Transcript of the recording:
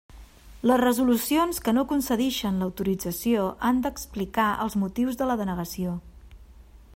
Les resolucions que no concedixen l'autorització han d'explicar els motius de la denegació.